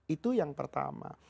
itu yang pertama